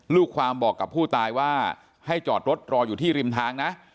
ลูกความบอกกับผู้ตายว่าให้จอดรถรออยู่ที่ริมทางนะ